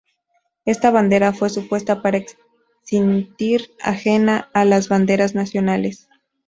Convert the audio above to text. Esta bandera fue supuesta para existir ajena a las banderas nacionales.